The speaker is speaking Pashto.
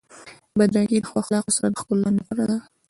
بدرنګي د ښو اخلاقو سره د ښکلا نه غوره ده.